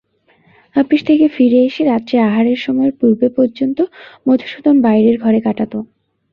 আপিস থেকে ফিরে এসে রাত্রে আহারের সময়ের পূর্বে পর্যন্ত মধুসূদন বাইরের ঘরে কাটাত।